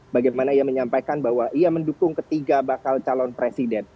bagaimana ia menyampaikan bahwa ia mendukung ketiga bakal calon presiden